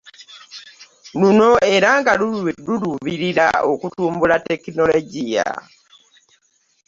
Luno era nga luluubirira okutumbula Tekinologiya